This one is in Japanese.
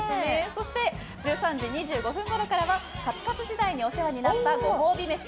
そして１３時２５分ごろからはカツカツ時代にお世話になったご褒美飯。